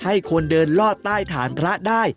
ให้คนเดินลอดใต้ฐานพระได้